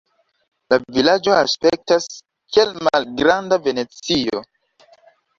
La vilaĝo aspektas kiel malgranda Venecio.